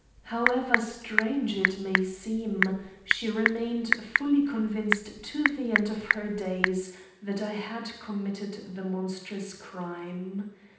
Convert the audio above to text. However strange it may seem, she remained firmly convinced to the end of her days that I had committed the monstrous crime.